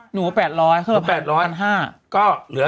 หนู๘๐๐เขาเหลือ๑๕๐๐